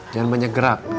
jangan banyak gerak